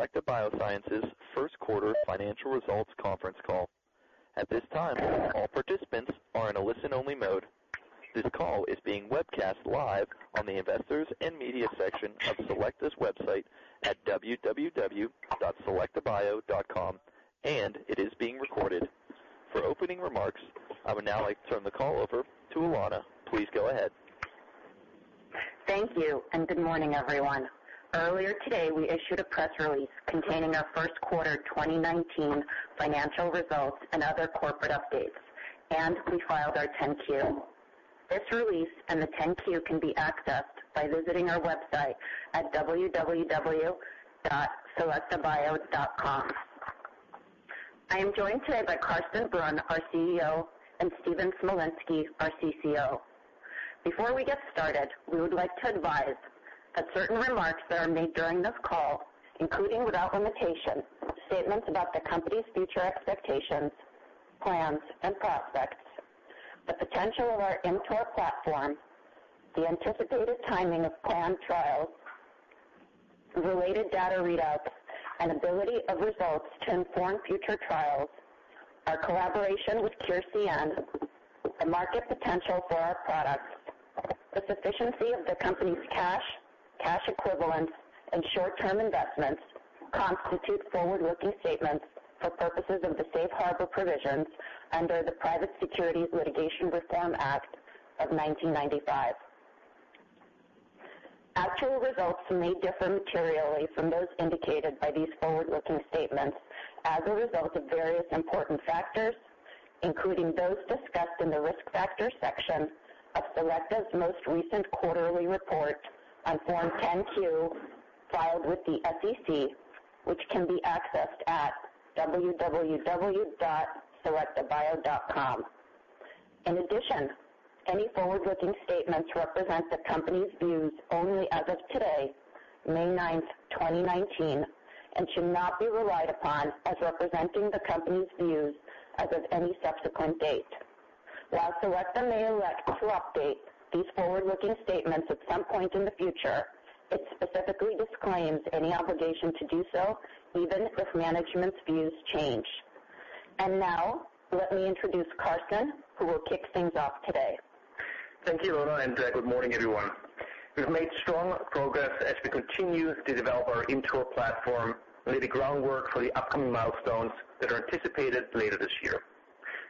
Welcome to the Selecta Biosciences first quarter financial results conference call. At this time, all participants are in a listen-only mode. This call is being webcast live on the Investors and Media section of Selecta's website at www.selectabio.com. It is being recorded. For opening remarks, I would now like to turn the call over to Elona Please go ahead. Thank you. Good morning, everyone. Earlier today, we issued a press release containing our first quarter 2019 financial results and other corporate updates. We filed our 10-Q. This release and the 10-Q can be accessed by visiting our website at www.selectabio.com. I am joined today by Carsten Brunn, our CEO, and Stephen Smolinski, our CCO. Before we get started, we would like to advise that certain remarks that are made during this call, including without limitation, statements about the company's future expectations, plans and prospects, the potential of our ImmTOR platform, the anticipated timing of planned trials, related data readouts, and ability of results to inform future trials, our collaboration with CureCN, the market potential for our products, the sufficiency of the company's cash equivalents, and short-term investments constitute forward-looking statements for purposes of the safe harbor provisions under the Private Securities Litigation Reform Act of 1995. Actual results may differ materially from those indicated by these forward-looking statements as a result of various important factors, including those discussed in the Risk Factors section of Selecta's most recent quarterly report on Form 10-Q filed with the SEC, which can be accessed at www.selectabio.com. In addition, any forward-looking statements represent the company's views only as of today, May 9th, 2019. Should not be relied upon as representing the company's views as of any subsequent date. While Selecta may elect to update these forward-looking statements at some point in the future, it specifically disclaims any obligation to do so even if management's views change. Now let me introduce Carsten, who will kick things off today. Thank you, Elona. Good morning, everyone. We've made strong progress as we continue to develop our ImmTOR platform, lay the groundwork for the upcoming milestones that are anticipated later this year.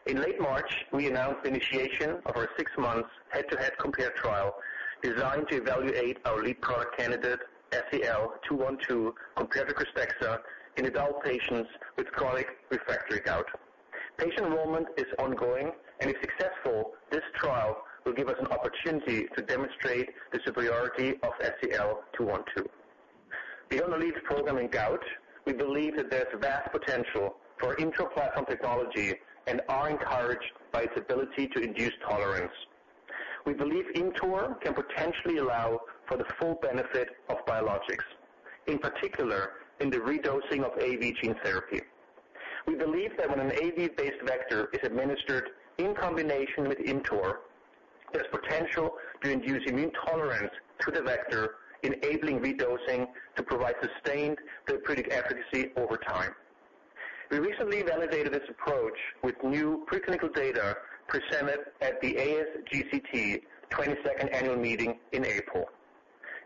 In late March, we announced the initiation of our six months head-to-head COMPARE trial designed to evaluate our lead product candidate, SEL-212, compared to KRYSTEXXA in adult patients with chronic refractory gout. Patient enrollment is ongoing. If successful, this trial will give us an opportunity to demonstrate the superiority of SEL-212. Beyond the lead program in gout, we believe that there's vast potential for ImmTOR platform technology and are encouraged by its ability to induce tolerance. We believe ImmTOR can potentially allow for the full benefit of biologics, in particular in the redosing of AAV gene therapy. We believe that when an AAV-based vector is administered in combination with ImmTOR, there's potential to induce immune tolerance to the vector, enabling redosing to provide sustained therapeutic efficacy over time. We recently validated this approach with new pre-clinical data presented at the ASGCT 22nd Annual Meeting in April.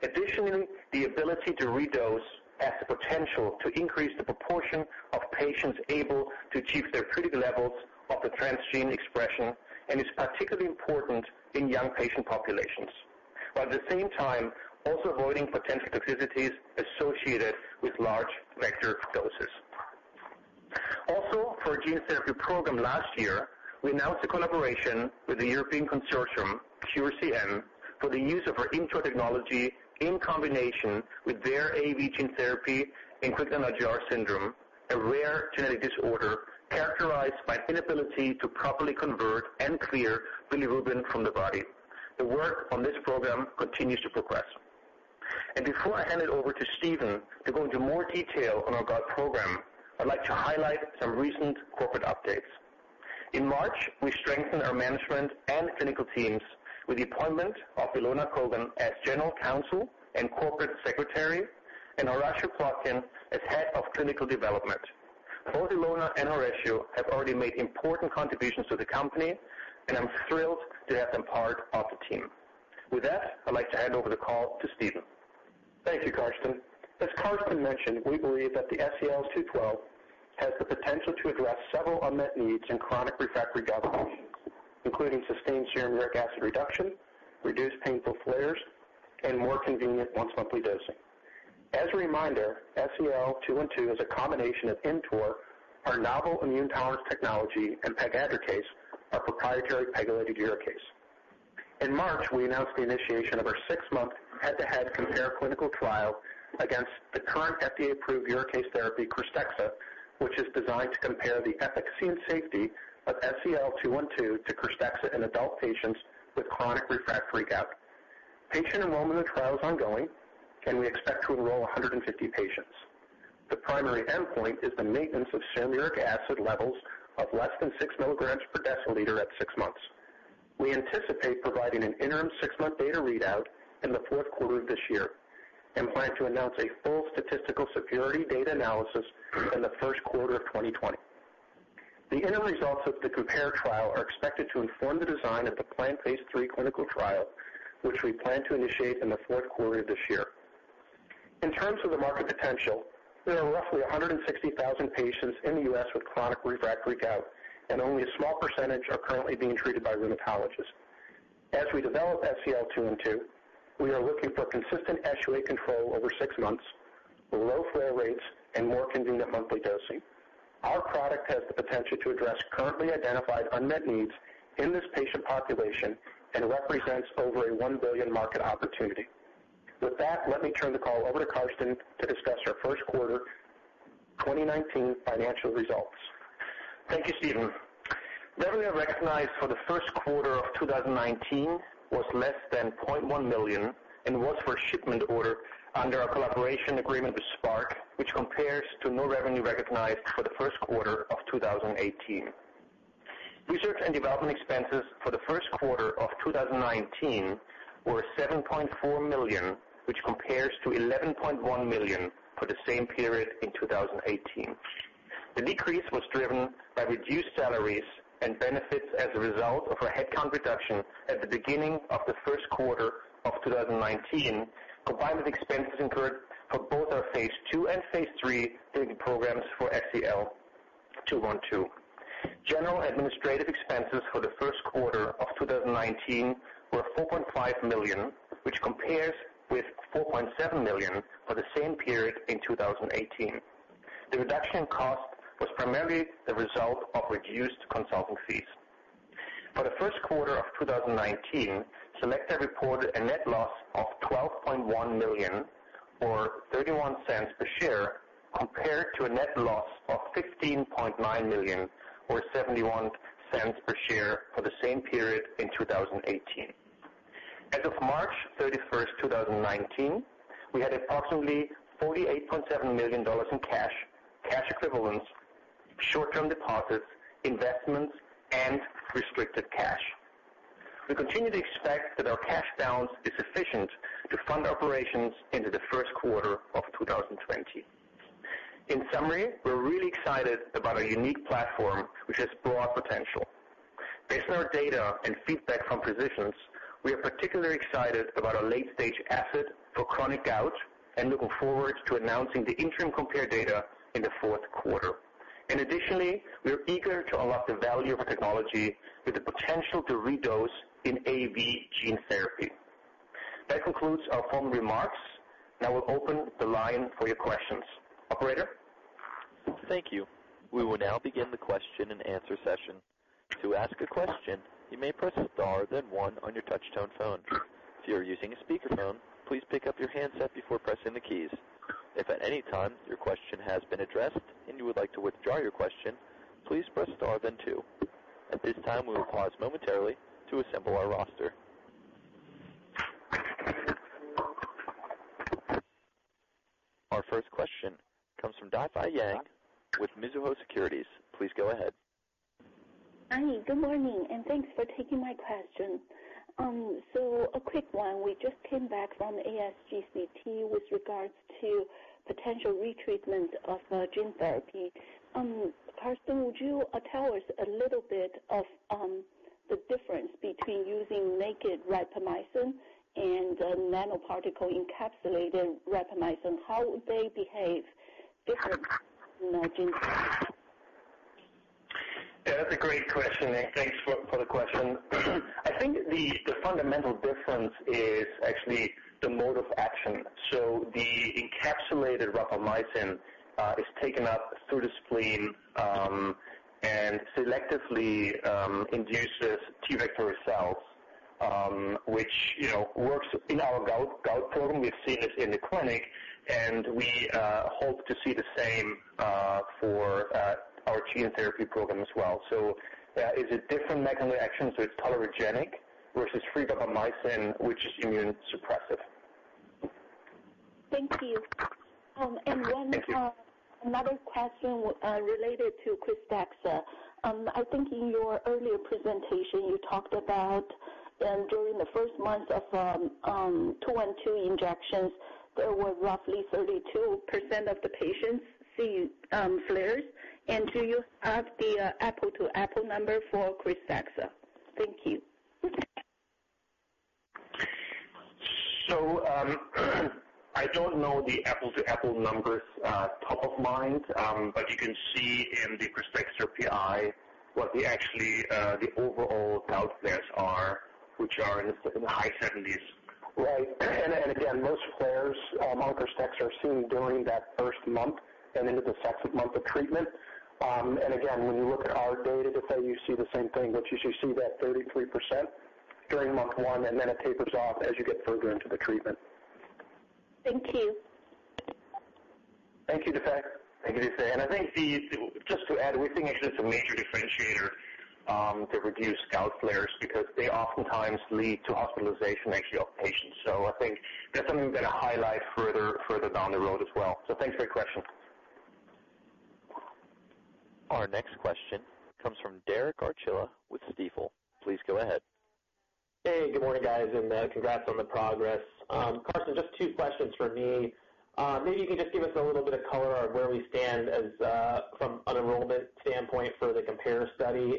Additionally, the ability to redose has the potential to increase the proportion of patients able to achieve therapeutic levels of the transgene expression and is particularly important in young patient populations, while at the same time also avoiding potential toxicities associated with large vector doses. For our gene therapy program last year, we announced a collaboration with the European consortium, CureCN, for the use of our ImmTOR technology in combination with their AAV gene therapy in Crigler-Najjar syndrome, a rare genetic disorder characterized by inability to properly convert and clear bilirubin from the body. Thank you, Carsten. Before I hand it over to Stephen to go into more detail on our gout program, I'd like to highlight some recent corporate updates. In March, we strengthened our management and clinical teams with the appointment of Ilona Kogan as General Counsel and Corporate Secretary, and Horatiu Platin as Head of Clinical Development. Both Ilona and Horatiu have already made important contributions to the company, and I'm thrilled to have them part of the team. I'd like to hand over the call to Stephen. Thank you, Carsten. As Carsten mentioned, we believe that SEL-212 has the potential to address several unmet needs in chronic refractory gout patients, including sustained serum uric acid reduction, reduced painful flares, and more convenient once-monthly dosing. As a reminder, SEL-212 is a combination of ImmTOR, our novel immune tolerance technology, and pegadricase, our proprietary pegylated uricase. In March, we announced the initiation of our 6-month head-to-head COMPARE clinical trial against the current FDA-approved uricase therapy, KRYSTEXXA, which is designed to compare the efficacy and safety of SEL-212 to KRYSTEXXA in adult patients with chronic refractory gout. Patient enrollment of the trial is ongoing, and we expect to enroll 150 patients. The primary endpoint is the maintenance of urate acid levels of less than 6 milligrams per deciliter at 6 months. We anticipate providing an interim 6-month data readout in the fourth quarter of this year and plan to announce a full statistical significance data analysis in the first quarter of 2020. The interim results of the COMPARE trial are expected to inform the design of the planned phase III clinical trial, which we plan to initiate in the fourth quarter of this year. In terms of the market potential, there are roughly 160,000 patients in the U.S. with chronic refractory gout, and only a small percentage are currently being treated by rheumatologists. As we develop SEL-212, we are looking for consistent SUA control over 6 months, low flare rates, and more convenient monthly dosing. Our product has the potential to address currently identified unmet needs in this patient population and represents over a $1 billion market opportunity. With that, let me turn the call over to Carsten to discuss our first quarter 2019 financial results. Thank you, Stephen. Revenue recognized for the first quarter of 2019 was less than $0.1 million and was for a shipment order under our collaboration agreement with Spark, which compares to no revenue recognized for the first quarter of 2018. Research and development expenses for the first quarter of 2019 were $7.4 million, which compares to $11.1 million for the same period in 2018. The decrease was driven by reduced salaries and benefits as a result of a headcount reduction at the beginning of the first quarter of 2019, combined with expenses incurred for both our phase II and phase III clinical programs for SEL-212. General administrative expenses for the first quarter of 2019 were $4.5 million, which compares with $4.7 million for the same period in 2018. The reduction in cost was primarily the result of reduced consulting fees. For the first quarter of 2019, Selecta reported a net loss of $12.1 million, or $0.31 per share, compared to a net loss of $15.9 million, or $0.71 per share for the same period in 2018. As of March 31, 2019, we had approximately $48.7 million in cash equivalents, short-term deposits, investments, and restricted cash. We continue to expect that our cash balance is sufficient to fund operations into the first quarter of 2020. In summary, we're really excited about our unique platform, which has broad potential. Based on our data and feedback from physicians, we are particularly excited about our late-stage asset for chronic gout and looking forward to announcing the interim COMPARE data in the fourth quarter. Additionally, we are eager to unlock the value of our technology with the potential to redose in AAV gene therapy. That concludes our formal remarks. Now we'll open the line for your questions. Operator? Thank you. We will now begin the question and answer session. To ask a question, you may press star then one on your touch-tone phone. If you are using a speakerphone, please pick up your handset before pressing the keys. If at any time your question has been addressed and you would like to withdraw your question, please press star then two. At this time, we will pause momentarily to assemble our roster. Our first question comes from Difei Yang with Mizuho Securities. Please go ahead. Hi, good morning, and thanks for taking my question. A quick one. We just came back from the ASGCT with regards to potential retreatment of gene therapy. Carsten, would you tell us a little bit of the difference between using naked rapamycin and nanoparticle-encapsulated rapamycin, how they behave different in a gene therapy? That's a great question, and thanks for the question. I think the fundamental difference is actually the mode of action. The encapsulated rapamycin is taken up through the spleen, and selectively induces T regulatory cells, which works in our gout program. We've seen this in the clinic, and we hope to see the same for our gene therapy program as well. That is a different mechanism of action, so it's tolerogenic versus free rapamycin, which is immunosuppressive. Thank you. Thank you. Another question related to KRYSTEXXA. I think in your earlier presentation, you talked about during the first month of 212 injections, there were roughly 32% of the patients seeing flares. Do you have the apple-to-apple number for KRYSTEXXA? Thank you. I don't know the apple-to-apple numbers top of mind, but you can see in the KRYSTEXXA PI what the overall gout flares are, which are in the high 70s. Right. Again, most flares on KRYSTEXXA are seen during that first month and into the second month of treatment. Again, when you look at our data, Difei, you see the same thing, which is you see that 33% during month one, and then it tapers off as you get further into the treatment. Thank you. Thank you, Difei. Thank you, Difei. I think, just to add, we think it's just a major differentiator to reduce gout flares because they oftentimes lead to hospitalization of patients. I think that's something we're going to highlight further down the road as well. Thanks for your question. Our next question comes from Derek Archila with Stifel. Please go ahead. Hey, good morning, guys, and congrats on the progress. Carsten Brunn, just two questions from me. Maybe you can just give us a little bit of color on where we stand from an enrollment standpoint for the COMPARE study,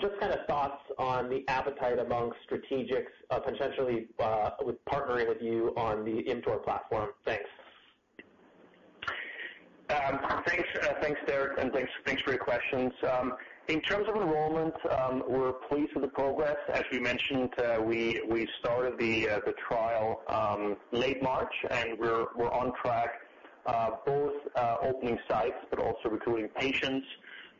just thoughts on the appetite among strategics potentially partnering with you on the ImmTOR platform. Thanks. Thanks, Derek Archila, thanks for your questions. In terms of enrollment, we're pleased with the progress. As we mentioned, we started the trial late March, we're on track, both opening sites but also recruiting patients.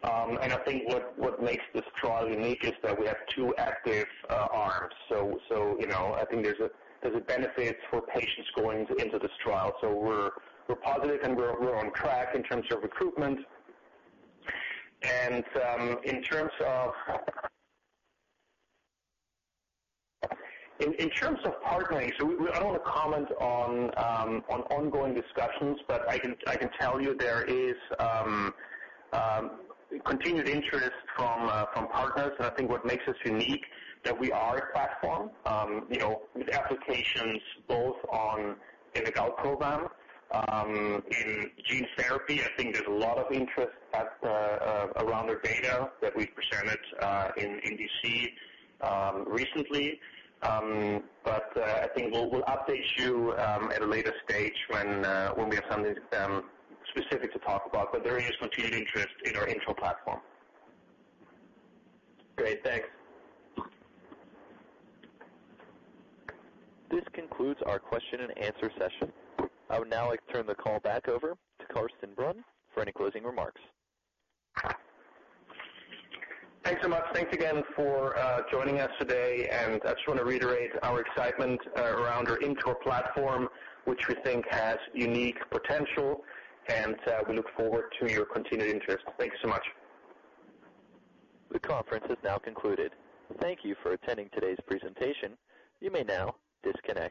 I think what makes this trial unique is that we have two active arms. I think there's a benefit for patients going into this trial. We're positive and we're on track in terms of recruitment. In terms of partnering, I don't want to comment on ongoing discussions, but I can tell you there is continued interest from partners. I think what makes us unique that we are a platform with applications both in the gout program, in gene therapy. I think there's a lot of interest around our data that we presented in D.C. recently. I think we'll update you at a later stage when we have something specific to talk about. There is continued interest in our ImmTOR platform. Great, thanks. This concludes our question and answer session. I would now like to turn the call back over to Carsten Brunn for any closing remarks. Thanks so much. Thanks again for joining us today, and I just want to reiterate our excitement around our ImmTOR platform, which we think has unique potential, and we look forward to your continued interest. Thanks so much. The conference has now concluded. Thank you for attending today's presentation. You may now disconnect.